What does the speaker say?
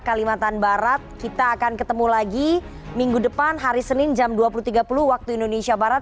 kalimantan barat kita akan ketemu lagi minggu depan hari senin jam dua puluh tiga puluh waktu indonesia barat